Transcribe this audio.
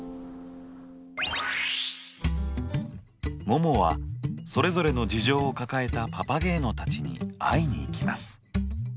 ももはそれぞれの事情を抱えたパパゲーノたちに会いに行きます。